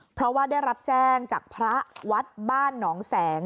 เพราะว่าได้รับแจ้งจากพระวัดบ้านหนองแสง